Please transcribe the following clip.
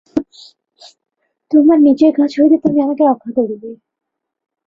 তোমার নিজের কাছ হইতে তুমি আমাকে রক্ষা করিবে।